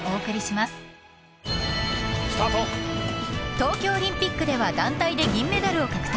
［東京オリンピックでは団体で銀メダルを獲得］